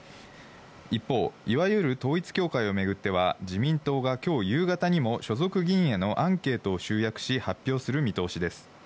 一方、いわゆる統一教会をめぐっては自民党が今日夕方にも所属議員へのアンケートを集約し、発表する見通しです。